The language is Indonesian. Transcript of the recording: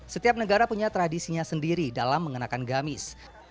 setiap negara punya tradisinya sendiri dalam mengenakan gamis